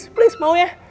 please mau ya